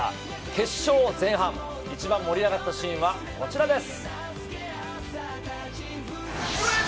決勝前半、一番盛り上がったシーンはこちらです。